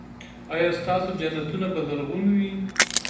ایا ستاسو جنتونه به زرغون وي؟